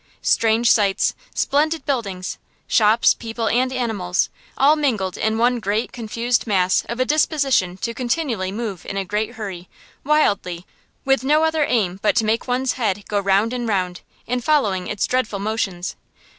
Strange sights, splendid buildings, shops, people, and animals, all mingled in one great, confused mass of a disposition to continually move in a great hurry, wildly, with no other aim but to make one's head go round and round, in following its dreadful motions.